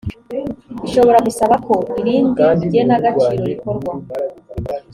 ishobora gusaba ko irindi genagaciro rikorwa